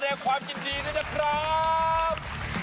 แสดงความยินดีด้วยนะครับ